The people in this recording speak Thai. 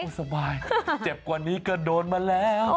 สบายเจ็บกว่านี้ก็โดนมาแล้ว